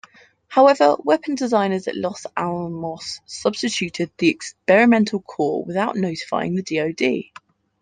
However, weapon designers at Los Alamos substituted the experimental core without notifying the DoD.